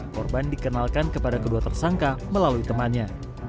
korban dikenalkan kepada kedua tersangka melalui temannya